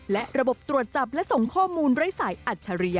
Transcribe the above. และระบบตรวจจับและส่งข้อมูลไร้สายอัจฉริยะ